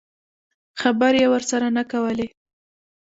خبرې یې ورسره نه کولې.